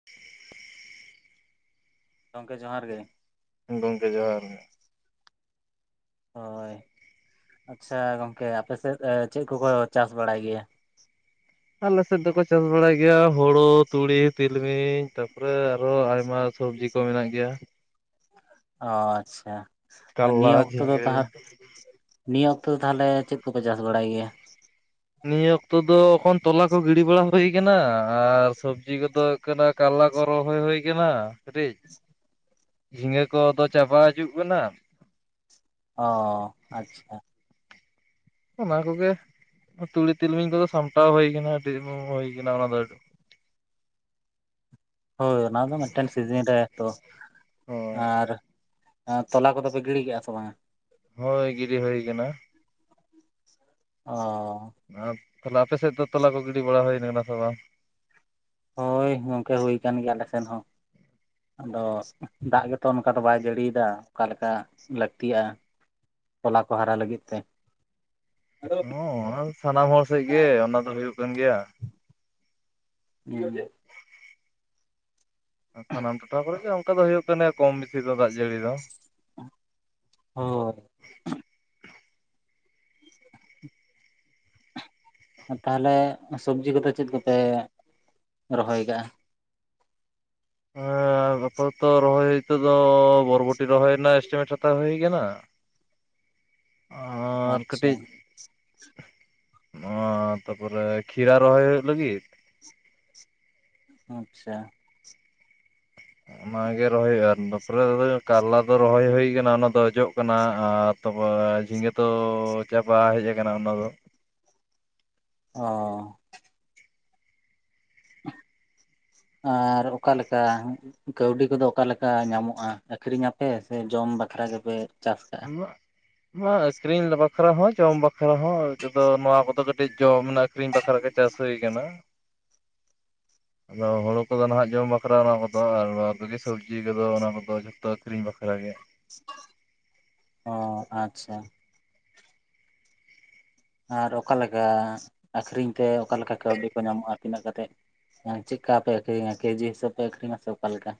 [inaudible] ᱜᱚᱝᱠᱮ ᱡᱚᱦᱟᱨ ᱜᱮ ᱜᱚᱝᱠᱮ ᱡᱚᱦᱟᱨ ᱜᱮ᱾ ᱦᱳᱭ ᱟᱪᱪᱷᱟ ᱜᱚᱝᱠᱮ ᱟᱯᱮ ᱥᱮᱫ ᱪᱮᱫ ᱠᱚᱠᱚ ᱪᱟᱥ ᱵᱟᱲᱟᱭ ᱜᱮᱭᱟ ᱟᱞᱮ ᱥᱮᱫ ᱫᱚᱠᱚ ᱪᱟᱥ ᱵᱟᱲᱟᱭ ᱜᱮᱭᱟ ᱦᱳᱲᱳ, ᱛᱩᱲᱤ, ᱛᱤᱞᱢᱤᱧ, ᱛᱟᱯᱚᱨᱮ ᱟᱨᱚ ᱟᱭᱢᱟ ᱥᱚᱵᱽᱡᱤ ᱠᱚ ᱢᱮᱱᱟᱜ ᱜᱮᱭᱟ᱾ ᱚ ᱟᱪᱪᱷᱟ ᱟᱨ ᱠᱟᱞᱞᱟ, ᱱᱤᱭᱟᱹ ᱚᱠᱛᱚ ᱫᱚ ᱛᱟᱦᱟ ᱡᱷᱤᱸᱜᱟᱹ ᱼᱼ ᱱᱤᱭᱟᱹ ᱚᱠᱛᱚ ᱫᱚ ᱛᱟᱦᱚᱞᱮ ᱪᱮᱫ ᱠᱚᱯᱮ ᱪᱟᱥ ᱵᱟᱲᱟᱭ ᱜᱮᱭᱟ? ᱱᱤᱭᱟᱹ ᱚᱠᱛᱚ ᱫᱚ ᱮᱠᱷᱚᱱ ᱛᱚᱞᱟ ᱠᱚ ᱜᱤᱰᱤ ᱵᱟᱲᱟ ᱦᱩᱭᱩ ᱟᱠᱟᱱᱟ, ᱟᱨ ᱥᱚᱵᱡᱤ ᱠᱚᱫᱚ ᱠᱟᱫᱟ ᱠᱟᱞᱞᱟ ᱠᱚ ᱨᱚᱦᱚᱭ ᱦᱩᱭ ᱠᱟᱱᱟ᱾ ᱠᱟᱴᱤᱡ ᱡᱷᱤᱸᱜᱟᱹ ᱠᱚᱫᱚ ᱪᱟᱵᱟ ᱦᱤᱡᱩᱜ ᱠᱟᱱᱟ᱾ ᱚ ᱟᱪᱪᱷᱟ ᱚᱱᱟ ᱠᱚᱜᱮ ᱛᱩᱲᱤ ᱛᱤᱞᱢᱤᱧ ᱠᱚᱫᱚ ᱥᱟᱢᱴᱟᱣ ᱦᱩᱭ ᱟᱠᱟᱱᱟ, ᱟᱹᱰᱤ ᱦᱩᱭᱠ ᱚᱱᱟ ᱫᱚ ᱟᱹᱰᱤ ᱦᱳᱭ ᱚᱱᱟ ᱫᱚ ᱢᱤᱫᱴᱮᱱ ᱥᱤᱡᱤᱱ ᱨᱮ ᱛᱚ᱾ ᱦᱳᱭ ᱟᱨ ᱛᱚᱞᱟ ᱠᱚᱫᱚᱯᱮ ᱜᱤᱰᱤ ᱠᱮᱜᱼᱟ ᱥᱮ ᱵᱟᱝᱟ? ᱦᱳᱭ ᱜᱤᱰᱤᱤ ᱦᱳᱭ ᱠᱟᱱᱟ᱾ ᱚ ᱟᱨ ᱛᱟᱦᱚᱞᱮ ᱟᱯᱮ ᱥᱮᱫ ᱫᱚ ᱛᱚᱞᱟ ᱠᱚ ᱜᱤᱰᱤ ᱵᱟᱲᱟ ᱦᱩᱭᱮᱱ ᱠᱟᱱᱟ ᱥᱮ ᱵᱟᱝ? ᱦᱳᱭ ᱜᱚᱝᱠᱮ ᱦᱩᱭ ᱟᱠᱟᱱ ᱜᱮᱭᱟ ᱟᱞᱮ ᱥᱮᱱ ᱦᱚᱸ ᱟᱫᱚ ᱫᱟᱜ ᱜᱮᱛᱚ ᱚᱱᱠᱟ ᱫᱚ ᱵᱟᱭ ᱡᱟᱹᱲᱤᱭᱮᱫᱟ ᱚᱠᱟᱞᱮ ᱞᱮᱠᱟ ᱞᱟᱹᱠᱛᱤᱜᱼᱟ ᱭᱚᱞᱟ ᱠᱚ ᱦᱟᱨᱟ ᱞᱟᱹᱜᱤᱫ ᱛᱮ ᱦᱳᱭ ᱦᱚᱸ ᱚᱱᱟᱫᱚ ᱥᱴᱟᱢ ᱦᱚᱲ ᱥᱮ ᱵ ᱜᱮ ᱚᱱᱟ ᱫᱚ ᱦᱩᱭᱩᱜ ᱠᱟᱱ ᱜᱮᱭᱟ᱾ [unintelligible] ᱥᱟᱱᱟᱢ ᱴᱚᱴᱷᱟ ᱠᱚᱨᱮᱜ ᱜᱮ ᱚᱱᱠᱟ ᱫᱚ ᱦᱩᱭᱩᱜ ᱠᱟᱱᱟ ᱠᱚᱢ ᱵᱮᱥᱤ ᱫᱚ ᱫᱟᱜ ᱡᱟᱹᱲᱤ ᱫᱚ᱾ ᱦᱚᱭ [inaudible] ᱛᱟᱦᱚᱞᱮ ᱥᱚᱵᱽᱡᱤ ᱠᱚᱫᱚ ᱪᱮᱫ ᱠᱚᱯᱮ ᱨᱚᱦᱚᱭ ᱠᱟᱜᱼᱟ᱾ ᱦᱮᱸ ᱜᱟᱯᱟ ᱛᱚ ᱨᱚᱦᱚᱭ ᱦᱚᱭ ᱛᱮ ᱫᱚ ᱵᱚᱨᱚᱵᱚᱴᱤ ᱨᱚᱦᱚᱭᱱᱟ ᱮᱥᱢᱮᱴ ᱼᱼ ᱦᱟᱛᱟᱣ ᱦᱩᱭ ᱟᱠᱟᱱᱟ ᱟᱨ ᱟᱪᱪᱷᱟ ᱠᱟᱹᱴᱤᱡ ᱚ ᱛᱟᱯᱚᱨᱮ ᱠᱷᱤᱨᱟ ᱨᱚᱦᱚᱭ ᱦᱩᱭᱩᱜ ᱞᱟᱹᱜᱤᱫ ᱟᱪᱪᱷᱟ ᱚᱱᱟᱜᱮ ᱨᱚᱦᱚᱭ ᱦᱩᱭᱩᱜᱼᱟ ᱛᱯᱚᱨᱮ ᱠᱟᱨᱞᱟ ᱫᱚ ᱨᱚᱦᱚᱭ ᱦᱩᱭ ᱠᱟᱱᱟ ᱚᱱᱟ ᱫᱚ ᱡᱚᱜ ᱠᱟᱱᱟ ᱟᱨ ᱛᱟᱯᱚᱨ ᱡᱷᱤᱸᱜᱟᱹ ᱛᱚ ᱪᱟᱯᱟ ᱦᱮᱡ ᱟᱠᱟᱱᱟ ᱚᱱᱟ ᱫᱚ᱾ ᱚ ᱟᱨ ᱚᱠᱟᱞᱮᱠᱟ ᱠᱟᱹᱣᱰᱤ ᱠᱚᱫᱚ ᱚᱠᱟᱞᱮᱠᱟ ᱧᱟᱢᱚᱜᱼᱟ ᱟᱠᱷᱨᱤᱧᱟᱯᱮ ᱥᱮ ᱡᱚᱢ ᱵᱟᱠᱷᱨᱟ ᱜᱮᱯᱮ ᱪᱟᱥ ᱠᱟᱜᱼᱟ? ᱱᱚᱣᱟ ᱟᱹᱠᱷᱨᱤᱧ ᱵᱟᱠᱷᱨᱟ ᱦᱚᱸ ᱡᱚᱢ ᱵᱟᱠᱷᱨᱟ ᱦᱚᱸ ᱱᱚᱣᱟ ᱠᱚᱫᱚ ᱠᱟᱹᱴᱤᱡ ᱡᱚᱢ ᱮᱱᱟ ᱟᱠᱷᱨᱤᱧ ᱵᱟᱠᱷᱨᱟ ᱠᱚ ᱪᱟᱥ ᱦᱩᱭ ᱟᱠᱟᱱᱟ᱾ ᱟᱫᱚ ᱦᱩᱲᱩ ᱠᱚᱫᱚ ᱱᱟᱦᱟᱜ ᱡᱚᱢ ᱵᱟᱠᱷᱨᱟ ᱚᱱᱟ ᱠᱚᱫᱚ ᱟᱨ ᱠᱚᱜᱮ ᱥᱚᱵᱽᱡᱤ ᱠᱚᱫᱚ ᱚᱱᱟ ᱠᱚᱫᱚ ᱡᱷᱚᱛᱚ ᱟᱹ ᱠᱨᱤᱤᱧ ᱵᱟᱠᱷᱨᱟ ᱜᱮ᱾ ᱚ ᱟᱪᱪᱷᱟ ᱟᱨ ᱚᱠᱟᱞᱮᱠᱟ ᱟᱠᱷᱨᱤᱧ ᱛᱮ ᱚᱠᱟᱮ ᱞᱮᱠᱟ ᱠᱟᱹᱣᱰᱤ ᱠᱚ ᱧᱟᱢᱚᱜᱼᱟ ᱛᱤᱱᱟᱹᱜ ᱠᱟ ᱠᱟᱛᱮᱫ ᱢᱟᱱᱮ ᱪᱤᱠᱟ ᱯᱮ ᱟᱠᱨᱤ ᱠᱮᱡᱤ ᱦᱤᱥ ᱯᱮ ᱟᱠᱷᱨᱤᱧᱟ ᱥᱮ ᱚᱠᱟᱞᱮᱠᱟ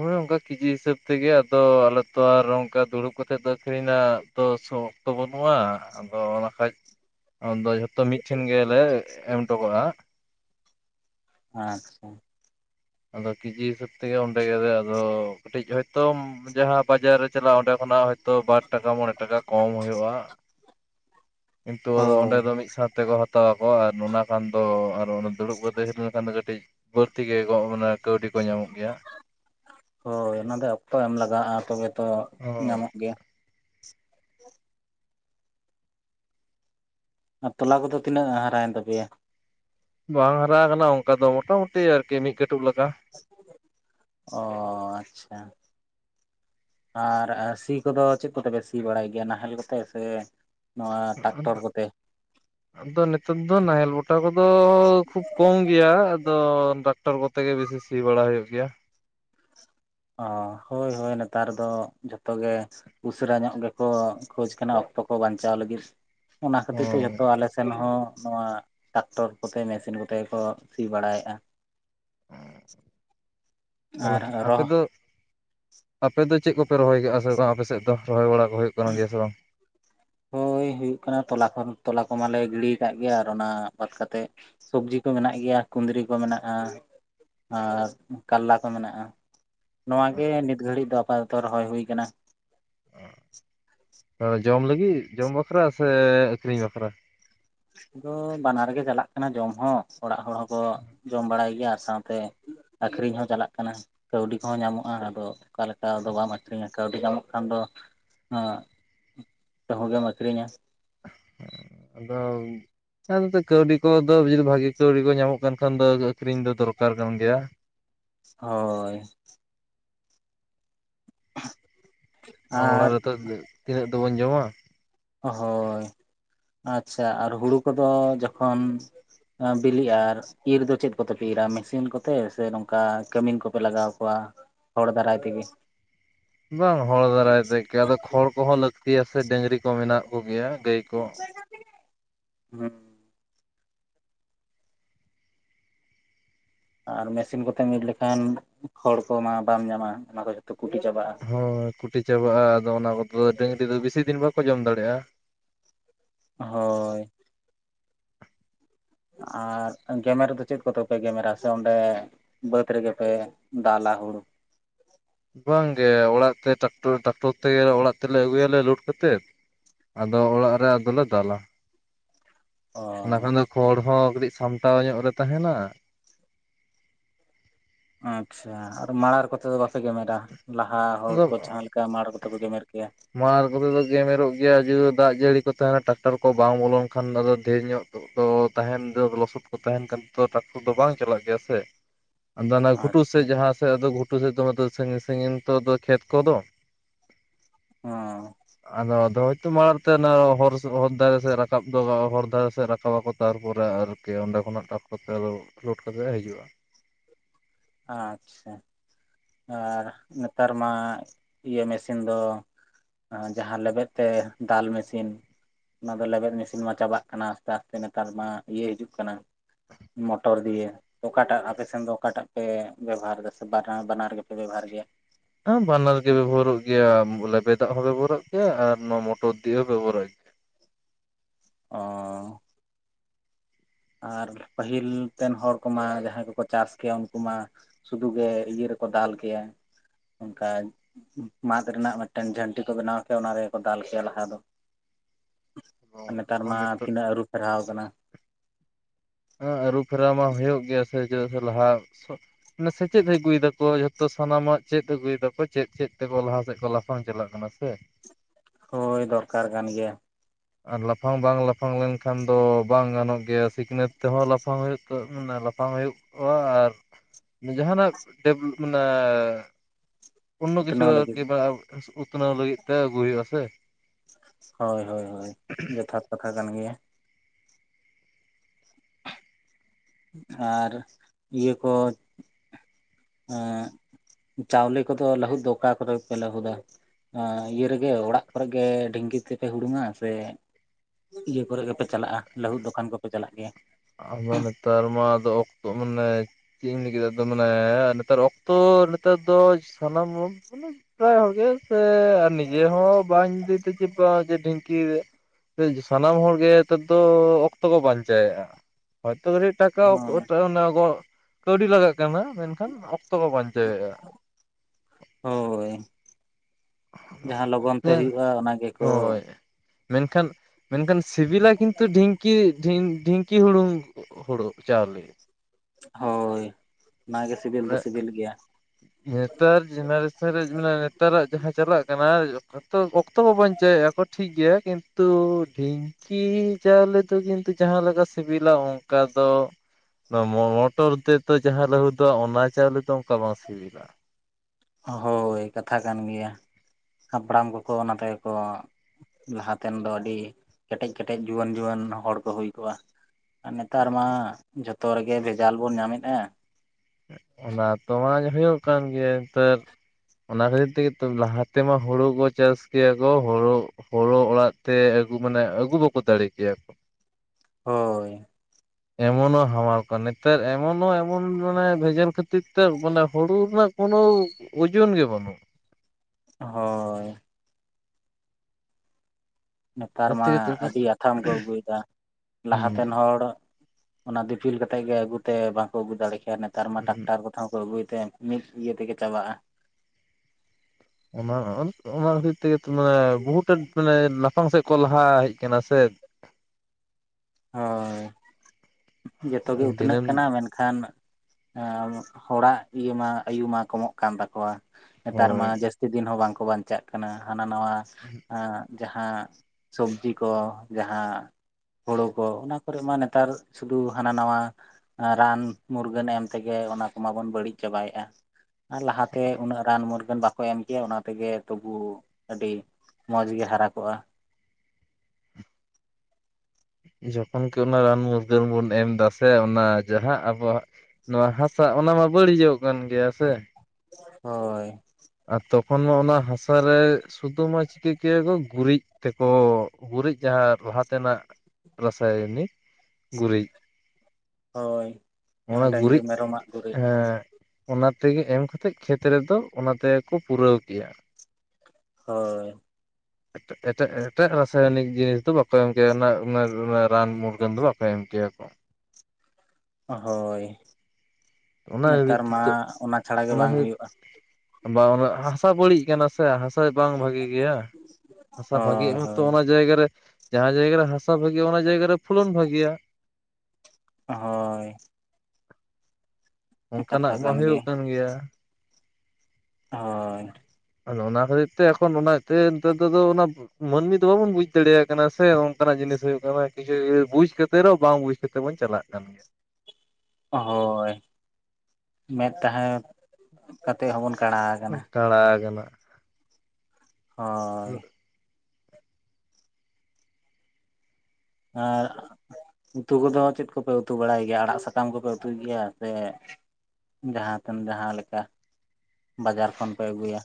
ᱦᱳᱭ ᱚᱱᱠᱟ ᱠᱮᱡᱤ ᱦᱤᱥᱟᱹᱵ ᱛᱮᱜᱮ ᱟᱫᱚ ᱟᱞᱮ ᱛᱚ ᱟᱨ ᱚᱱᱠᱟ ᱫᱩᱲᱩᱵ ᱠᱟᱛᱮᱫ ᱫᱚ ᱟᱹᱠᱷᱨᱤᱧ ᱱᱟ ᱚᱠᱛᱚ ᱵᱟᱹᱱᱩᱜᱼᱟ ᱟᱫᱚ ᱚᱱᱟᱠᱷᱟᱡ ᱟᱫᱚ ᱡᱚᱛᱚ ᱢᱤᱫᱴᱷᱮᱱ ᱜᱮ ᱞᱮ ᱮᱢᱴᱚᱠᱟ-ᱟ ᱟᱪᱪᱷᱟ ᱟᱫᱚ ᱠᱮᱡᱤ ᱦᱤᱥᱟᱹᱵ ᱛᱮᱜᱮ ᱚᱸᱰᱮ ᱜᱮ ᱟᱫᱚ ᱠᱟᱴᱤᱡ ᱦᱚᱳᱭᱛᱚ ᱡᱟᱦᱟᱸ ᱵᱟᱡᱟᱨ ᱨᱮ ᱪᱟᱞᱟᱜᱼᱟ ᱚᱸᱰᱮ ᱠᱷᱚᱱᱟᱜ ᱦᱭᱛᱚ ᱵᱟᱨ ᱴᱟᱠᱟ ᱢᱚᱬᱮ ᱴᱟᱠᱟ ᱠᱚᱢ ᱦᱩᱭᱩᱜᱳᱼᱟ᱾ ᱠᱤᱱᱛᱩ ᱟᱫᱚ ᱦᱳᱭ ᱚᱸᱰᱮ ᱫᱚ ᱢᱤᱫ ᱥᱟᱶᱛᱮᱠᱚ ᱦᱟᱛ ᱦᱟᱛᱟᱣᱟᱠᱚ ᱟᱨ ᱚᱱᱟ ᱠᱷᱟᱱ ᱫᱚ ᱟᱨ ᱚᱱᱟ ᱫᱩᱲᱩᱵ ᱠᱟᱛᱮ ᱦᱤᱨ ᱞᱮᱱᱠᱷᱟᱱ ᱫᱚ ᱠᱟᱹᱴᱤᱡ ᱵᱟᱹᱲᱛᱤ ᱜᱮ ᱠᱚ ᱢᱟᱱᱮ ᱠᱟᱹᱣᱰᱤ ᱠᱚ ᱧᱟᱢᱚᱜ ᱜᱮᱭᱟ᱾ ᱦᱳᱭ ᱚᱱᱟ ᱫᱚ ᱚᱠᱛᱚ ᱮᱢ ᱞᱟᱜᱟᱜᱼᱟ ᱛᱚᱵᱮ ᱛᱚ ᱦᱳᱭ ᱧᱟᱢᱚᱜ ᱜᱮᱭᱟ᱾ ᱟᱨ ᱛᱚᱞᱟ ᱠᱚᱫᱚ ᱛᱤᱱᱟᱹᱜ ᱦᱟᱨᱟᱭᱮᱱ ᱛᱟᱯᱮᱭᱟ? ᱵᱟᱝ ᱦᱟᱨᱟ ᱟᱠᱟᱱᱟ ᱚᱱᱠᱟ ᱫᱚ ᱢᱚᱴᱟ ᱢᱩᱴᱤ ᱟᱨᱠᱤ ᱢᱤᱫ ᱠᱟᱹᱴᱩᱵ ᱞᱮᱠᱟ᱾ ᱚ ᱟᱪᱪᱷᱟ ᱟᱨ ᱥᱤ ᱠᱚᱫᱚ ᱪᱮᱫ ᱠᱚᱛᱮᱯᱮ ᱥᱤ ᱵᱟᱲᱟᱭ ᱜᱮᱭᱟ ᱱᱟᱦᱮᱞ ᱠᱚᱛᱮ ᱥᱮ, ᱴᱟᱠᱴᱚᱨ ᱠᱚᱛᱮ? ᱟᱫᱚ ᱱᱮᱛᱳᱜ ᱫᱚ ᱱᱟᱦᱮᱞ ᱜᱚᱴᱟ ᱠᱚᱫᱚ ᱠᱷᱩᱵ ᱠᱚᱢ ᱜᱮᱭᱟ᱾ ᱫᱚ ᱴᱟᱠᱴᱚᱨ ᱠᱚᱛᱮ ᱜᱮ ᱵᱤᱥᱤ ᱥᱤ ᱵᱟᱲᱟ ᱦᱩᱭᱩᱜ ᱜᱮᱭᱟ᱾ ᱚ ᱦᱳᱭ ᱦᱳᱭ ᱱᱮᱛᱟᱨ ᱫᱚ ᱡᱚᱛᱚ ᱜᱮ ᱩᱥᱟᱹᱨᱟ ᱧᱚᱜ ᱜᱮᱠᱚ ᱠᱷᱡᱽ ᱠᱟᱱᱟ ᱚᱠᱛᱚ ᱠᱚ ᱵᱟᱧᱪᱟᱣ ᱞᱟᱹᱜᱤᱫ ᱚᱱᱟ ᱠᱷᱟᱹᱛᱤᱨ ᱛᱮ ᱦᱳᱭ ᱡᱚᱛᱚ ᱟᱞ ᱥᱮᱫ ᱥᱮᱱ ᱦᱚᱸᱚᱸ ᱱᱚᱣᱟ ᱴᱟᱠᱴᱚᱨ ᱠᱚᱛᱮ ᱢᱮᱥᱤᱱ ᱠᱚᱛᱮ ᱠᱚ ᱥᱤ ᱵᱟᱲᱟᱭᱮᱫᱼᱟ᱾ ᱛᱟᱦᱚᱞᱮ ᱟᱨ ᱟᱯᱮ ᱫᱚ ᱟᱯᱮ ᱫᱚ ᱪᱮᱫ ᱠᱚᱯᱮ ᱨᱚᱦᱚᱭ ᱠᱟᱜᱼᱟ ᱥᱮ ᱵᱟᱝ ᱟᱯᱮ ᱥᱮᱫ ᱫᱚ ᱨᱚᱦᱚᱭ ᱵᱟᱲᱟ ᱠᱚ ᱦᱩᱭᱩᱜ ᱠᱟᱱ ᱜᱮᱭᱟ ᱥᱮ ᱵᱟᱝ? ᱦᱳᱭ ᱦᱩᱭᱩᱜ ᱠᱟᱱᱟ ᱛᱚᱞᱟ ᱠᱷᱚᱱ ᱛᱚᱞᱟ ᱠᱚ ᱢᱟᱞᱮ ᱜᱤᱰᱤ ᱟᱠᱟᱫ ᱜᱮᱭᱟ ᱟᱨ ᱚᱱᱟ ᱵᱟᱫ ᱠᱟᱛᱮᱫ ᱥᱚᱵᱽᱡᱤ ᱠᱚ ᱢᱮᱱᱟᱜ ᱜᱮᱭᱟ ᱠᱩᱸᱫᱽᱨᱤ ᱠᱚ ᱢᱮᱱᱟᱜᱼᱟ᱾ ᱟᱨ ᱠᱟᱨᱞᱟ ᱠᱚ ᱢᱮᱱᱟᱜᱼᱟ ᱱᱚᱣᱟ ᱜᱮ ᱱᱤᱛ ᱜᱷᱟᱹᱲᱤᱡ ᱫᱚ ᱟᱯᱟᱛᱚᱛᱚ ᱨᱚᱦᱚᱭ ᱦᱩᱭᱩ ᱟᱠᱟᱱᱟ᱾ ᱡᱚᱢ ᱞᱟᱹᱜᱤᱫ ᱡᱚᱢ ᱵᱟᱠᱷᱨᱟ ᱥᱮ ᱟᱹᱠᱷᱨᱤᱧ ᱵᱟᱠᱷᱨᱟ? ᱟᱫᱚ ᱵᱟᱱᱟᱨ ᱜᱮ ᱪᱟᱞᱟᱜ ᱠᱟᱱᱟ ᱡᱚᱢ ᱦᱚᱸ ᱚᱲᱟᱜ ᱦᱚᱲ ᱦᱚᱸᱠᱚ ᱡᱚᱢ ᱵᱟᱲᱟᱭ ᱜᱮᱭᱟ ᱟᱨ ᱥᱟᱶᱛᱮ ᱟᱠᱷᱨᱤᱧ ᱦᱚᱸ ᱪᱟᱞᱟᱜ ᱠᱟᱱᱟ᱾ ᱠᱟᱹᱣᱰᱤ ᱠᱚᱦᱚᱸ ᱧᱟᱢᱚᱜᱼᱟ ᱟᱫᱚ ᱚᱠᱟ ᱞᱮᱠᱟᱫᱚ ᱵᱟᱢ ᱟᱹᱷᱨᱤᱧᱟ ᱠᱟᱹᱣᱰᱤ ᱧᱟᱢᱚᱜ ᱠᱷᱟᱱ ᱫᱚ ᱦᱮᱸ ᱛᱟᱦᱚ ᱜᱮᱢ ᱟᱹᱠᱷᱨᱤᱧᱟ᱾ [unintelligible] ᱟᱫᱚ ᱠᱟᱹᱣᱰᱤ ᱠᱚᱫᱚ ᱡᱩᱫᱤ ᱵᱷᱟᱜᱤ ᱠᱟᱹᱣᱰᱤ ᱠᱚ ᱧᱟᱢᱚᱜ ᱠᱟᱱ ᱠᱷᱟᱱ ᱫᱚ ᱟᱹᱠᱷᱨᱤᱧ ᱫᱚ ᱫᱚᱨᱠᱟᱨ ᱠᱟᱱ ᱜᱮᱭᱟ᱾ ᱦᱳᱭ [unintelligible] ᱚᱲᱟᱜ ᱨᱮᱫᱚᱚ ᱛᱤᱱᱟᱹᱜ ᱫᱚᱵᱚᱱ ᱡᱚᱢᱟ᱾ ᱦᱳᱭ ᱟᱪᱪᱷᱟ ᱟᱨ ᱦᱩᱲᱩ ᱠᱚᱫᱚ ᱡᱚᱠᱷᱚᱱ ᱟ ᱵᱤᱞᱤ ᱟᱨ ᱤᱨ ᱫᱚ ᱪᱮᱫ ᱠᱚᱛᱮᱯᱮ ᱤᱨᱟ ᱢᱮᱥᱤᱱ ᱠᱚᱛᱮ ᱥᱮ ᱱᱚᱝᱠᱟ ᱠᱟᱹᱢᱤᱱ ᱠᱚᱯᱮ ᱞᱟᱜᱟᱣ ᱠᱚᱣᱟ? ᱦᱚᱲ ᱫᱟᱨᱟᱭ ᱛᱮᱜᱮ। ᱵᱟᱝ ᱦᱚᱲ ᱫᱟᱨᱟᱭ ᱛᱮᱠᱮ ᱟᱫᱚ ᱠᱷᱚᱲ ᱠᱚᱦᱚᱸ ᱞᱟᱹᱠᱛᱤᱭᱟ ᱥᱮ ᱰᱟᱹᱝᱨᱤ ᱠᱚ ᱢᱮᱱᱟᱜ ᱠᱚᱜᱮᱭᱟ ᱜᱟᱹᱭ ᱠᱚ [unintelligible] ᱦᱩᱸ ᱟᱨ ᱢᱮᱥᱤᱱ ᱠᱚᱛᱮᱢ ᱤᱨ ᱞᱮᱠᱷᱟᱱ ᱠᱷᱚᱲ ᱠᱚᱢᱟ ᱵᱟᱢ ᱧᱟᱢᱟ ᱚᱱᱟ ᱠᱚ ᱡᱷᱚᱛᱚ ᱠᱩᱴᱤ ᱪᱟᱵᱟᱜᱼᱟ। ᱦᱳᱭ ᱠᱩᱴᱤ ᱪᱟᱵᱟᱜᱼᱟ ᱟᱫᱚ ᱚᱱᱟ ᱠᱚᱫᱚ ᱰᱟᱹᱝᱨᱤ ᱫᱚ ᱵᱤᱥᱤ ᱫᱤᱱ ᱵᱟᱠᱚ ᱡᱚᱢ ᱫᱟᱲᱮᱭᱟᱜᱼᱟ। ᱦᱳᱭ ᱟᱨ ᱜᱮᱢᱮᱨ ᱫᱚ ᱪᱮᱫ ᱠᱚᱛᱮᱯᱮ ᱜᱮᱢᱮᱨᱟ ᱥᱮ ᱚᱸᱰᱮ ᱵᱟᱹᱫᱽ ᱨᱮᱜᱮ ᱯᱮ ᱫᱟᱞᱟ ᱦᱩᱲᱩ? ᱵᱟᱝᱜᱮ ᱚᱲᱟᱜ ᱛᱮ ᱴᱟᱠᱴᱚᱨ ᱴᱟᱠᱴᱚᱨ ᱛᱮ ᱚᱲᱟᱜ ᱛᱮᱞᱮ ᱟᱹᱜᱩᱭᱟ ᱞᱮ ᱞᱳᱴ ᱠᱟᱛᱮᱜ। ᱟᱫᱚ ᱚᱲᱟᱜ ᱨᱮ ᱟᱫᱚᱞᱮ ᱫᱟᱞᱟ। ᱚ ᱚᱱᱟᱠᱷᱚᱱ ᱫᱚ ᱠᱷᱚᱲ ᱦᱚᱸ ᱠᱟᱴᱤᱡ ᱥᱟᱢᱴᱟᱣ ᱧᱚᱜ ᱨᱮ ᱛᱟᱦᱮᱱᱟ ᱟᱪᱪᱷᱟ ᱟᱨ ᱢᱟᱲᱟᱨ ᱠᱚᱛᱮ ᱵᱟᱯᱮ ᱜᱮᱢᱮᱨ ᱞᱟᱦᱟ ᱦᱚᱲ ᱠᱚ ᱡᱟᱦᱟᱸ ᱞᱮᱠᱟ ᱢᱟᱲ ᱠᱚᱛᱮ ᱠᱚ ᱜᱮᱢᱮᱨ ᱠᱮᱭᱟ ᱢᱟᱲᱟᱨ ᱠᱚᱛᱮ ᱫᱚ ᱜᱮᱢᱮᱨᱚᱜ ᱜᱮᱭᱟ ᱡᱩᱫᱤ ᱫᱟᱜ ᱡᱟᱹᱲᱤ ᱠᱚ ᱛᱟᱦᱮᱱᱟ ᱴᱟᱠᱴᱟᱨ ᱠᱚ ᱵᱟᱝ ᱵᱚᱞᱚᱱ ᱠᱷᱟᱱ ᱟᱫᱚ ᱰᱷᱮᱨ ᱧᱚᱜ ᱱᱤᱛᱚᱜ ᱫᱚ ᱛᱟᱦᱮᱱ ᱫᱚ ᱞᱚᱥᱚᱫ ᱠᱚ ᱛᱟᱦᱮᱱ ᱠᱟᱱ ᱚ ᱴᱨᱟᱠᱴᱚᱨ ᱫᱚ ᱵᱟᱝ ᱪᱟᱞᱟᱜ ᱜᱮᱭᱟ ᱥᱮ ᱟᱫᱚ ᱚᱱᱟ ᱜᱷᱩᱴᱩ ᱥᱮ ᱟᱪᱪᱷᱟ ᱡᱟᱦᱟᱸ ᱥᱮ ᱫᱚ ᱜᱷᱩᱴᱩ ᱥᱮᱫ ᱫᱚ ᱟᱫᱚ ᱥᱟᱺᱜᱤᱧ ᱥᱟᱺᱜᱤᱧ ᱱᱤᱛᱚᱜ ᱫᱚ ᱠᱷᱮᱛ ᱠᱚᱫᱚ। ᱟᱸ ᱟᱫᱚ ᱦᱳᱭᱛᱳ ᱢᱟᱲᱟᱝ ᱛᱮ ᱦᱚᱨ ᱦᱚᱨ ᱫᱷᱟᱨᱮ ᱥᱮᱫ ᱨᱟᱠᱟᱵ ᱫᱚ ᱦᱚᱨ ᱫᱷᱟᱨᱮ ᱥᱮᱫ ᱨᱟᱠᱟᱵ ᱟᱠᱚ ᱛᱟᱨᱯᱚᱨᱮ ᱟᱨ ᱠᱤ ᱚᱸᱰᱮ ᱠᱷᱚᱱᱟᱜ ᱴᱟᱠ ᱠᱚᱛᱮ ᱞᱳᱰ ᱠᱟᱛᱮᱫ ᱦᱤᱡᱩᱜᱼᱟ। ᱟᱪᱪᱷᱟ ᱟᱨ ᱱᱮᱛᱟᱨ ᱢᱟ ᱤᱭᱟᱹ ᱢᱮᱥᱤᱱ ᱫᱚ ᱟ ᱡᱟᱦᱟ ᱞᱮᱵᱮᱫ ᱛᱮ ᱫᱟᱞ ᱢᱮᱥᱤᱱ। ᱚᱱᱟ ᱫᱚ ᱞᱮᱵᱮᱫ ᱢᱮᱥᱤᱱ ᱢᱟ ᱪᱟᱵᱟᱜ ᱠᱟᱱᱟ ᱟᱥᱛᱮ ᱟᱥᱛᱮ ᱱᱮᱛᱟᱨ ᱢᱟ ᱤᱭᱟᱹ ᱦᱤᱡᱩᱜ ᱠᱟᱱᱟ ᱢᱚᱴᱚᱨ ᱫᱤᱭᱮ, ᱚᱠᱟᱴᱟᱜ ᱟᱯᱮᱥᱱ ᱫᱚ ᱚᱠᱟᱴᱟᱜ ᱯᱮ ᱵᱮᱵᱚᱦᱟᱨ ᱫᱟᱥᱮ ᱵᱟᱱᱟᱨ ᱵᱟᱱᱟᱨ ᱜᱮᱯᱮ ᱵᱮᱵᱚᱦᱟᱨ ᱜᱮᱭᱟ? ᱦᱮ ᱵᱟᱱᱟᱨ ᱜᱮ ᱵᱮᱵᱚᱦᱟᱨᱚᱜ ᱜᱮᱭᱟ, ᱞᱮᱵᱮᱫᱟᱜ ᱦᱚᱸ ᱵᱮᱵᱚᱦᱟᱨᱚᱜ ᱜᱮᱭᱟ ᱟᱨ ᱱᱚᱣᱟ ᱢᱚᱴᱚᱨ ᱫᱤᱭᱮ ᱦᱚᱸ ᱵᱮᱵᱚᱦᱟᱨᱚᱜ ᱜᱮᱭᱟ। ᱚ ᱟᱨ ᱯᱟᱹᱦᱤᱞ ᱛᱮᱱ ᱦᱚᱲ ᱠᱚᱢᱟ ᱡᱟᱦᱟᱸᱭ ᱠᱚᱠᱚ ᱪᱟᱥ ᱠᱮᱭᱟ ᱩᱱᱠᱩ ᱢᱟ- ᱥᱩᱫᱷᱩ ᱜᱮ ᱤᱭᱟᱹ ᱨᱮᱠᱚ ᱫᱟᱞ ᱠᱮᱭᱟ ᱚᱱᱠᱟ ᱢᱟᱫ ᱨᱮᱱᱟᱜ ᱢᱤᱫᱴᱮᱱ ᱡᱷᱟᱹᱱᱴᱤ ᱠᱚ ᱵᱮᱱᱟᱣ ᱠᱮᱭᱟ ᱚᱱᱟ ᱨᱮᱜᱮ ᱠᱚ ᱫᱟᱞ ᱠᱮᱭᱟ ᱞᱟᱦᱟ ᱫᱚ। ᱱᱮᱛᱟᱨ ᱢᱟ ᱛᱤᱱᱟᱹᱜ ᱟᱹᱨᱩ-ᱯᱷᱮᱨᱟᱣ ᱟᱠᱟᱱᱟ। ᱦᱟ ᱟᱹᱨᱩ ᱯᱷᱮᱨᱟᱣ ᱢᱟ ᱦᱩᱭᱩᱜ ᱜᱮᱭᱟ ᱥᱮ ᱪᱮᱫᱟᱜ ᱥᱮ ᱞᱟᱦᱟ ᱥᱮᱛ ᱥᱮᱪᱮᱫ ᱟᱹᱜᱩᱭ ᱫᱟᱠᱚ ᱡᱚᱛ ᱛᱚ ᱥᱟᱱᱟᱢᱟᱜ ᱪᱮᱫ ᱟᱹᱜᱩᱭ ᱫᱟᱠᱚ ᱪᱮᱫ ᱪᱮᱫ ᱛᱮᱠᱚ ᱞᱟᱦᱟ ᱥᱮᱫ ᱠᱚ ᱞᱟᱯᱷᱟᱝ ᱪᱟᱞᱟᱜ ᱠᱟᱱᱟ ᱥᱮ। ᱦᱳᱭ ᱫᱚᱨᱠᱟᱨ ᱠᱟᱱ ᱜᱮᱭᱟ। ᱟᱨ ᱞᱟᱯᱷᱟᱝ ᱵᱟᱝ ᱞᱟᱯᱷᱟᱝ ᱞᱮᱱᱠᱷᱟᱱ ᱫᱚ ᱵᱟᱝ ᱜᱟᱱᱚᱜ ᱜᱮᱭᱟ ᱥᱤᱠᱷᱱᱟᱹᱛ ᱛᱮᱦᱚᱸ ᱞᱟᱯᱷᱟᱝ ᱦᱩᱭᱩᱜ ᱞᱟᱯᱷᱟᱝ ᱦᱩᱭᱩᱜ ᱟᱨ ᱡᱟᱦᱟᱱᱟᱜ ᱰᱮᱵᱷ ᱢᱟᱱᱮ ᱚᱱᱱᱚ ᱠᱤᱪᱷᱩ ᱩᱛᱱᱟᱹᱣ ᱞᱟᱹᱜᱤᱫ ᱟᱨᱠᱤ ᱩᱛᱱᱟᱹᱣ ᱞᱟᱹᱜᱤᱫ ᱛᱮ ᱟᱹᱜᱩᱭ ᱦᱩᱭᱩᱜ ᱟ -ᱥᱮ। ᱦᱳᱭ ᱦᱳᱭ ᱦᱳᱭ ᱡᱚᱛᱷᱟᱛ ᱠᱟᱛᱷᱟ ᱠᱟᱱ ᱜᱮᱭᱟ। ᱟᱨ ᱤᱭᱟᱹ ᱠᱚ ᱮᱸᱜ ᱪᱟᱣᱞᱮ ᱠᱚᱫᱚ ᱞᱟᱹᱦᱩᱫ ᱫᱚ ᱚᱠᱟ ᱠᱚᱨᱮ ᱯᱮ ᱞᱟᱹᱦᱩ ᱫᱟ? ᱚ ᱤᱭᱟᱹ ᱨᱮᱜᱮ ᱚᱲᱟᱜ ᱠᱚᱨᱮ ᱜᱮ ᱰᱷᱤᱝᱠᱤ ᱛᱮᱯᱮ ᱦᱩᱲᱩᱝ-ᱟ ᱥᱮ? ᱤᱭᱟᱹ ᱠᱚᱨᱮ ᱜᱮᱯᱮ ᱪᱟᱞᱟᱜᱼᱟ, ᱞᱟᱹᱦᱩᱫ ᱫᱚᱠᱟᱱ ᱠᱚᱯᱮ ᱪᱟᱞᱟᱜ ᱜᱮᱭᱟ। ᱟᱫᱚ ᱱᱮᱛᱟᱨ ᱢᱟ ᱟᱫᱚ ᱚᱠᱛᱚ ᱢᱟᱱᱮ ᱪᱮᱫ ᱤᱧ ᱞᱟᱹᱭ ᱠᱮᱫᱟ ᱟᱫᱚ ᱢᱟᱱᱮ ᱱᱮᱛᱟᱨ ᱚᱠᱛᱚ ᱱᱮᱛᱟᱨ ᱫᱚ ᱥᱟᱱᱟᱢ ᱦᱚᱲ ᱠᱚ ᱯᱨᱟᱭ ᱦᱚᱲ ᱜᱮ ᱥᱮ ᱱᱤᱡᱮ ᱦᱚᱸ ᱵᱟᱧ ᱞᱟ. ᱭ ᱡᱮ ᱵᱟ ᱡᱮ ᱰᱷᱤᱝᱠᱤ ᱨᱮ ᱥᱟᱱᱟᱢ ᱦᱚᱲᱜᱮ ᱱᱤᱛᱚᱜ ᱫᱚ ᱚᱠᱛᱚ ᱠᱚ ᱵᱟᱧᱪᱟᱣᱭᱮᱫᱼᱟ ᱦᱚᱭᱛᱳ ᱠᱟᱴᱤᱡ ᱴᱟᱠᱟ ᱚᱱᱟ ᱠᱚ ᱠᱟᱹᱣᱰᱤ ᱞᱟᱜᱟᱜ ᱠᱟᱱᱟ ᱢᱮᱱᱠᱷᱟᱱ ᱚᱠᱛᱚ ᱠᱚ ᱵᱟᱧᱪᱟᱣᱮᱫᱼᱟ। ᱦᱳᱭ ᱡᱟᱦᱟᱸ ᱞᱚᱜᱚᱱ ᱛᱮ ᱵᱟᱧᱪᱟᱣᱮᱫᱼᱟ ᱦᱩᱭᱩᱜᱼᱟ ᱚᱱᱟ ᱜᱮᱠᱚ ᱦᱳᱭ ᱢᱮᱱᱠᱷᱟᱱ ᱢᱮᱱᱠᱷᱟᱱ ᱥᱤᱵᱤᱞᱟ ᱠᱤᱱᱛᱩ ᱰᱷᱤᱝᱠᱤ ᱰᱷᱤᱝᱠᱤ ᱦᱩᱲᱩᱝ ᱦᱩᱲᱩ ᱪᱟᱣᱞᱤ ᱦᱳᱭ ᱚᱱᱟᱜᱮ ᱥᱤᱵᱤᱞ ᱫᱚ ᱢᱟᱱᱮ ᱥᱤᱵᱤᱞ ᱜᱮᱭᱟ ᱾ ᱱᱮᱛᱟᱨ ᱡᱮᱱᱟᱨᱮᱥᱮᱱ ᱨᱮ ᱢᱟᱱᱮ ᱱᱮᱛᱟᱨᱟᱜ ᱡᱟᱦᱟᱸ ᱪᱟᱞᱟᱜ ᱠᱟᱱᱟ ᱡᱚᱛᱚ ᱚᱠᱛᱚ ᱠᱚ ᱵᱟᱵᱚᱱ ᱪᱟᱹᱭᱮᱫᱼᱟ ᱠᱚ ᱴᱷᱤᱠ ᱜᱮᱭᱟ ᱠᱤᱱᱛᱩ ᱰᱷᱤᱝ ᱠᱤ ᱪᱟᱣᱞᱮ ᱫᱚ ᱠᱤᱱᱛᱩ ᱡᱟᱦᱟᱸ ᱞᱮᱠᱟ ᱥᱤᱵᱤᱞᱟ ᱚᱱᱠᱟ ᱫᱚ ᱱᱚᱣᱟ ᱢᱚ ᱢᱚᱴᱚᱨ ᱛᱮᱫᱚ ᱡᱟᱦᱟᱸ ᱞᱟᱹᱦᱩᱫᱚᱜᱼᱟ ᱚᱱᱟ ᱪᱟᱣᱞᱮ ᱫᱚ ᱚᱱᱠᱟ ᱵᱟᱝ ᱥᱤᱵᱤᱞᱼᱟ ᱾ ᱦᱳᱭ ᱠᱟᱛᱷᱟ ᱠᱟᱱ ᱜᱮᱭᱟ ᱾ ᱦᱟᱯᱲᱟᱢ ᱠᱚᱠᱚ ᱚᱱᱟ ᱛᱮᱜᱮ ᱠᱚ ᱞᱟᱦᱟᱛᱮᱱ ᱫᱚ ᱟᱹᱰᱤ ᱠᱮᱴᱮᱡ ᱠᱮᱴᱮᱡ ᱡᱩᱣᱟᱹᱱ ᱡᱩᱣᱟᱹᱱ ᱦᱚᱲ ᱠᱚ ᱦᱩᱭ ᱠᱚᱜᱼᱟ ᱾ ᱟᱨ ᱱᱮᱛᱟᱨ ᱢᱟ ᱡᱷᱚᱛᱚ ᱨᱮᱜᱮ ᱵᱷᱮᱡᱟᱞ ᱵᱚᱱ ᱧᱟᱢᱮᱫᱼᱟ ᱚᱱᱟ ᱛᱚ ᱢᱟ ᱦᱩᱭᱩᱜ ᱠᱟᱱ ᱜᱮ ᱱᱮᱛᱟᱨ, ᱚᱱᱟ ᱠᱷᱟᱹᱛᱤᱨ ᱛᱮᱜᱮ ᱞᱟᱦᱟ ᱛᱮᱢᱟ ᱦᱩᱲᱩ ᱠᱚ ᱪᱟᱥ ᱠᱮᱭᱟ ᱠᱚ ᱦᱩᱲᱩ ᱦᱩᱲᱩ ᱚᱲᱟᱜ ᱛᱮ ᱟᱹᱜᱩ ᱢᱟᱱᱮ ᱟᱹᱜᱩ ᱵᱟᱠᱚ ᱫᱟᱲᱮ ᱠᱮᱭᱟ ᱠᱚ। ᱦᱳᱭ ᱮᱢᱚᱱ ᱦᱚᱸ ᱦᱟᱢᱟᱞ ᱠᱚᱭᱟ ᱱᱮᱛᱟᱨ ᱮᱢᱚᱱ ᱦᱚᱸ ᱮᱢᱚᱱ ᱢᱟᱱᱮ ᱵᱷᱮᱡᱟᱞ ᱠᱷᱟᱹᱛᱤᱨ ᱛᱮ ᱢᱟᱱᱮ ᱦᱩᱲᱩ ᱨᱮᱱᱟᱜ ᱠᱳᱱᱳ ᱳᱡᱚᱱ ᱜᱮ ᱵᱟᱹᱱᱩᱜ᱾ ᱦᱳᱭ ᱱᱮᱛᱟᱨ ᱢᱟ ᱛᱮᱜᱮ ᱛᱚ ᱟᱹᱰᱤ ᱟᱛᱷᱟᱢ ᱠᱚ ᱟᱹᱜᱩᱭ ᱮᱫᱟ ᱾ ᱦᱩᱸ ᱞᱟᱦᱟ ᱛᱮᱱ ᱦᱚᱲ ᱚᱱᱟ ᱫᱤᱯᱤᱞ ᱠᱟᱛᱮᱫ ᱜᱮ ᱟᱹᱜᱩ ᱛᱮ ᱵᱟᱝᱠᱚ ᱟᱹᱜᱩ ᱫᱟᱲᱮ ᱠᱮᱭᱟ ᱱᱮᱛᱟᱨ ᱢᱟ ᱴᱟᱠᱴᱟᱨ ᱠᱚ ᱴᱷᱟᱶ ᱠᱚ ᱟᱹᱜᱩᱭ ᱛᱮ ᱢᱤᱫ ᱤᱭᱟᱹ ᱛᱮᱜᱮ ᱪᱟᱵᱟᱜᱼᱟ᱾ ᱚᱱᱟ ᱚᱱ ᱠᱷᱟᱹᱛᱤᱨ ᱛᱮᱜᱮ ᱛᱚ ᱢᱟᱱᱮ ᱵᱚᱦᱩ ᱴᱟᱴ ᱢᱟᱱᱮ ᱞᱟᱯᱷᱟᱝ ᱥᱮᱫ ᱠᱚ ᱞᱟᱦᱟ ᱦᱮᱡ ᱟᱠᱟᱱᱟ ᱥᱮ᱾ ᱦᱳᱭ ᱾ ᱡᱚᱛᱚᱜᱮ ᱩᱛᱱᱟᱹᱜ ᱫᱤᱱᱟᱹᱢ ᱠᱟᱱᱟ ᱢᱮᱱᱠᱷᱟᱱ ᱠᱷᱟᱱ ᱦᱚᱲᱟᱜ ᱤᱭᱟᱹ ᱢᱟ ᱟᱭᱩ ᱢᱟ ᱠᱚᱢᱚᱜ ᱠᱟᱱ ᱛᱟᱠᱚᱣᱟ ᱾ ᱱᱮᱛᱟᱨ ᱢᱟ ᱦᱳᱭ ᱡᱟᱹᱥᱛᱤ ᱫᱤᱱ ᱦᱚᱸ ᱵᱟᱝᱠᱚ ᱵᱟᱧᱪᱟᱜ ᱠᱟᱱᱟ ᱦᱟᱱᱟ ᱱᱟᱣᱟ ᱡᱟᱦᱟᱸ ᱥᱚᱵᱽᱡᱤ ᱠᱚ ᱡᱟᱦᱟᱸ ᱦᱩᱲᱩ ᱠᱚ ᱚᱱᱟ ᱠᱚᱨᱮ ᱢᱟ ᱱᱮᱛᱟᱨ ᱥᱩᱫᱷᱩ ᱦᱟᱱᱟ ᱱᱟᱣᱟ ᱨᱟᱱ ᱢᱩᱨᱜᱟᱹᱱ ᱮᱢ ᱛᱮᱜᱮ ᱚᱱᱟ ᱠᱚᱢᱟᱵᱚᱱ ᱵᱟᱹᱲᱤᱡ ᱪᱟᱵᱟᱭᱮᱫᱼᱟ ᱟᱨ ᱞᱟᱦᱟᱛᱮ ᱩᱱᱟᱹᱜ ᱨᱟᱱ ᱢᱩᱨᱜᱟᱹᱱ ᱵᱟᱼ -ᱠᱚ ᱮᱢ ᱠᱮᱭᱟ ᱚᱱᱟ ᱛᱮᱜᱮ ᱛᱚᱵᱩ ᱟᱹᱰᱤ ᱢᱚᱸᱡᱽ ᱜᱮ ᱦᱟᱨᱟ ᱠᱚᱜᱼᱟ ᱾ ᱡᱚᱠᱷᱚᱱ ᱠᱤ ᱚᱱᱟ ᱨᱟᱱ ᱢᱩᱨᱜᱟᱹᱱ ᱵᱚᱱ ᱮᱢ ᱫᱟ ᱥᱮ ᱚᱱᱟ ᱡᱟᱦᱟᱸ ᱟᱵᱚᱣᱟᱜ ᱱᱚᱣᱟ ᱦᱟᱥᱟ ᱚᱱᱟ ᱢᱟ ᱵᱟᱹᱲᱤᱡᱚᱜ ᱠᱟᱱ ᱜᱮᱭᱟ ᱥᱮ ᱦᱳᱭ ᱟᱨ ᱛᱚᱠᱷᱚᱱ ᱢᱟ ᱚᱱᱟ ᱦᱟᱥᱟ ᱨᱮ ᱥᱩᱛᱩᱢᱟ ᱪᱤᱠᱟᱹ ᱠᱮᱭᱟ ᱠᱚ ᱜᱩᱨᱤᱡ ᱛᱮᱠᱚ ᱜᱩᱨᱤᱡ ᱡᱟᱦᱟᱸ ᱞᱟᱦᱟ ᱛᱮᱱᱟᱜ ᱨᱟᱥᱟᱭᱚᱱᱤᱠ ᱜᱩᱨᱤᱡ ᱾ ᱦᱳᱭ ᱚᱱᱟ ᱡᱟᱦᱟᱸ ᱰᱟᱹᱝᱨᱤ ᱜᱩᱨᱤᱡ ᱢᱮᱨᱚᱢᱟᱜ ᱜᱩᱨᱤᱡ ᱮᱸ ᱚᱱᱟ ᱛᱮᱜᱮ ᱮᱢ ᱠᱟᱛᱮᱫ ᱠᱷᱮᱛ ᱨᱮᱫᱚ ᱚᱱᱟ ᱛᱮᱠᱚ ᱯᱩᱨᱟᱹᱣ ᱠᱮᱭᱟ ᱦᱳᱭ ᱮᱴᱟᱜ ᱮᱴᱟᱜ ᱨᱟᱥᱟᱭᱚᱱᱤᱠ ᱡᱤᱱᱤᱥ ᱫᱚ ᱵᱟᱠᱚ ᱮᱢ ᱠᱮᱭᱟ ᱚᱱᱟ ᱨᱟᱱ ᱢᱩᱨᱜᱟᱹᱱ ᱫᱚ ᱵᱟᱠᱚ ᱮᱢ ᱠᱮᱭᱟ ᱠᱚ ᱦᱳᱭ ᱚᱱᱟ ᱱᱮᱛᱟᱨ ᱠᱷᱟᱹᱛᱤᱨ ᱢᱟ ᱛᱮ ᱚᱱᱟ ᱪᱷᱟᱲᱟ ᱜᱮ ᱵᱟᱝ ᱦᱩᱭᱩᱜᱼᱟ ᱾ ᱵᱟᱝ ᱩᱱᱟᱹᱜ ᱦᱟᱥᱟ ᱵᱟᱹᱲᱤᱡ ᱠᱟᱱᱟ ᱥᱮ ᱦᱟᱥᱟ ᱵᱟᱝ ᱵᱷᱟᱹᱜᱤ ᱜᱮᱭᱟ ᱾ ᱦᱟᱥᱟ ᱵᱷᱟᱜᱤᱜ ᱦᱳᱭ ᱢᱟ ᱛᱚ ᱦᱳᱭ ᱚᱱᱟ ᱡᱟᱭᱜᱟ ᱨᱮ ᱡᱟᱦᱟᱸ ᱡᱟᱭᱜᱟ ᱨᱮ ᱦᱟᱥᱟ ᱵᱷᱟᱜᱤᱭᱼᱟ ᱚᱱᱟ ᱡᱟᱭᱜᱟ ᱨᱮ ᱯᱷᱚᱞᱚᱱ ᱵᱷᱟᱜᱤᱭᱟ᱾ ᱦᱳᱭ ᱠᱟᱛᱷᱟ ᱚᱱᱠᱟᱱᱟᱜ ᱢᱟ ᱜᱮ ᱦᱩᱭᱩᱜ ᱠᱟᱱ ᱜᱮᱭᱟ ᱦᱳᱭ ᱟᱫᱚ ᱚᱱᱟ ᱠᱷᱟᱹᱛᱤᱨ ᱛᱮ ᱮᱠᱷᱚᱱ ᱚᱱᱟᱛᱮ ᱱᱮᱛᱟᱨ ᱫᱚ ᱚᱱᱟ ᱢᱟᱹᱱᱢᱤ ᱫᱚ ᱵᱟᱵᱚᱱ ᱵᱩᱡᱽ ᱫᱟᱲᱮᱭᱟᱜ ᱠᱟᱱᱟ ᱥᱮ ᱚᱱᱠᱟᱱᱟᱜ ᱡᱤᱱᱤᱥ ᱦᱩᱭᱩᱜ ᱠᱟᱱᱟ, ᱠᱤᱪᱷᱩ ᱵᱩᱡᱽ ᱠᱟᱛᱮ ᱨᱮᱦᱚ ᱵᱟᱝ ᱵᱩᱡᱽ ᱠᱟᱛᱮ ᱵᱚᱱ ᱪᱟᱞᱟᱜ ᱠᱟᱱᱟ ᱾ ᱦᱳᱭ ᱢᱮᱫ ᱛᱟᱦᱮᱸ ᱠᱟᱛᱮᱫ ᱦᱚᱸᱵᱚᱱ ᱠᱟᱬᱟ ᱟᱠᱟᱱᱟ ᱠᱟᱬᱟ ᱠᱟᱱᱟ ᱦᱳᱭ ᱟᱨ ᱩᱛᱩ ᱠᱚᱫᱚ ᱪᱮᱫ ᱠᱚᱯᱮ ᱩᱛᱩ ᱵᱟᱲᱟᱭ ᱜᱮᱭᱟ ᱟᱲᱟᱜ ᱥᱟᱠᱟᱢ ᱠᱚᱯᱮ ᱩᱛᱩᱭ ᱜᱮᱭᱟ ᱥᱮ ᱡᱟᱦᱟᱸ ᱛᱮᱱ ᱡᱟᱦᱟᱸ ᱞᱮᱠᱟ ᱵᱟᱡᱟᱨ ᱠᱷᱚᱱ ᱯᱮ ᱟᱹᱜᱩᱭᱟ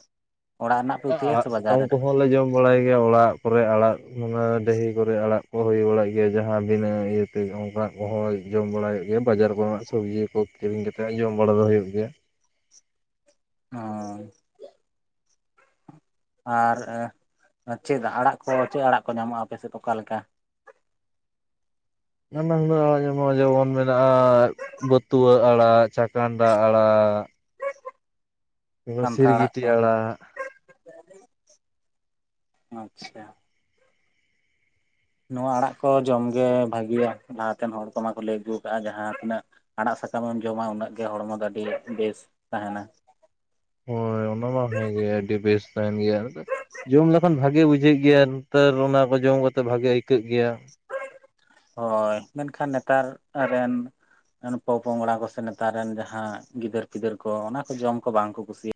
ᱚᱲᱟᱜ ᱨᱮᱱᱟᱜ ᱯᱮ ᱩᱛᱩᱭᱟ ᱟᱲᱟᱜ ᱥᱮ ᱵᱟᱡᱟᱨ ᱥᱟᱠᱟᱢ ᱨᱮᱱᱟᱜ ᱠᱚᱦᱚᱸ ᱞᱮ ᱡᱚᱢ ᱵᱟᱲᱟᱭ ᱜᱮᱭᱟ ᱚᱲᱟᱜ ᱠᱚᱨᱮ ᱟᱲᱟᱜ ᱚᱱᱟ ᱰᱟᱺᱦᱤ ᱠᱚᱨᱮ ᱟᱲᱟᱜ ᱠᱚ ᱦᱩᱭ ᱵᱟᱲᱟᱜ ᱜᱮᱭᱟ ᱡᱟᱦᱟᱸ ᱵᱤᱱᱟᱹ ᱤᱭᱟᱹ ᱚᱱᱠᱟ ᱠᱚᱦᱚᱸ ᱡᱚᱢ ᱵᱟᱲᱟᱭ ᱦᱩᱭᱩᱜ ᱜᱮᱭᱟ ᱵᱟᱡᱟᱨ ᱠᱚᱨᱮᱱᱟᱜ ᱥᱚᱵᱽᱡᱤ ᱠᱚ ᱠᱤᱨᱤᱧ ᱠᱟᱛᱮᱫ ᱡᱚᱢ ᱵᱟᱲᱟ ᱫᱚ ᱦᱩᱭᱩᱜ ᱜᱮᱭᱟ ᱟᱸᱭ ᱟᱨ ᱪᱮᱫ ᱟᱲᱟᱜ ᱠᱚ ᱪᱮᱫ ᱟᱲᱟᱜ ᱠᱚ ᱧᱟᱢᱚᱜᱼᱟ ᱟᱯᱮ ᱥᱮᱫ ᱚᱠᱟ ᱞᱮᱠᱟ? ᱱᱟᱱᱟ ᱦᱩᱱᱟᱹᱨ ᱡᱮᱢᱚᱱ ᱢᱮᱱᱟᱜᱼᱟ ᱵᱟᱹᱛᱩᱣᱟᱹᱜ ᱟᱲᱟᱜ ᱪᱟ, ᱠᱟᱱᱰᱟ ᱟᱲᱟᱜ ᱚᱱᱮ ᱠᱟᱱᱛᱷᱟ ᱟᱲᱟᱜ ᱥᱤᱨᱜᱤᱴᱤ ᱠᱚ ᱟᱲᱟᱜ ᱟᱪᱪᱷᱟ ᱱᱚᱣᱟ ᱟᱲᱟᱜ ᱠᱚ ᱡᱚᱢᱜᱮ ᱵᱷᱟᱜᱤᱭᱟ ᱞᱟᱦᱟᱛᱮᱱ ᱦᱚᱲ ᱠᱚ ᱢᱟᱠᱚ ᱞᱟᱹᱭ ᱟᱹᱜᱩ ᱠᱟᱜᱼᱟ ᱡᱟᱦᱟᱸ ᱛᱤᱱᱟᱹᱜ ᱟᱲᱟᱜ ᱥᱟᱠᱟᱢᱮᱢ ᱡᱚᱢᱟ ᱩᱱᱟᱹᱜ ᱜᱮ ᱦᱚᱲᱢᱚ ᱫᱚ ᱟᱹᱰᱤ ᱵᱮᱥ ᱛᱟᱦᱮᱱᱟ ᱦᱳᱭ ᱚᱱᱟ ᱢᱟ ᱦᱮᱸᱜᱮ ᱟᱹᱰᱤ ᱵᱮᱥ ᱛᱟᱦᱮᱱ ᱜᱮᱭᱟ ᱡᱚᱢ ᱞᱮᱠᱷᱟᱱ ᱵᱷᱟᱜᱮ ᱵᱩᱡᱷᱟᱹᱜ ᱜᱮᱭᱟ ᱤᱛᱟᱹᱨ ᱚᱱᱟ ᱠᱚ ᱡᱚᱢ ᱠᱟᱛᱮᱫ ᱵᱷᱟᱜᱮ ᱟᱹᱭᱠᱟᱹᱜ ᱜᱮᱭᱟ ᱦᱳᱭ ᱢᱮᱱᱠᱷᱟᱱ ᱱᱮᱛᱟᱨ ᱨᱮᱱ ᱱᱩᱠᱚ ᱯᱚᱯᱚᱝᱲᱟ ᱠᱚ ᱥᱮ ᱱᱮᱛᱟᱨ ᱨᱮᱱ ᱡᱟᱦᱟᱸ ᱜᱤᱫᱟᱹᱨ ᱯᱤᱫᱟᱹᱨ ᱠᱚ ᱚᱱᱟ ᱠᱚ ᱡᱚᱢ ᱠᱚ ᱵᱟᱝ ᱠᱚ ᱠᱩᱥᱤᱜ